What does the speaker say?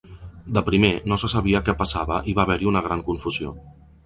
De primer, no se sabia què passava i va haver-hi una gran confusió.